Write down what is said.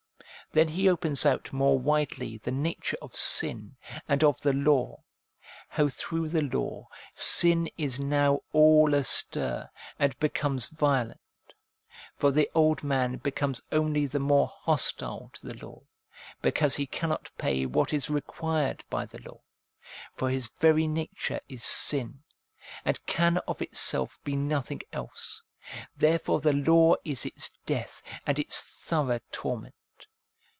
Then he opens out more widely the nature of sin and of the law, how through the law sin is now all astir, and becomes violent. For the old man becomes only the more hostile to the law, because he cannot pay what is required by the law. For his very nature is sin, and can of itself be nothing else ; therefore the law is its death and its thorough torment.